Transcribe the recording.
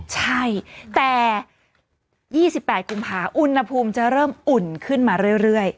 ใช่แต่๒๘กุมภาคอุณหภูมิจะเริ่มอุ่นขึ้นมาเรื่อย